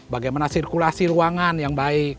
bagaimana sirkulasi ruangan yang baik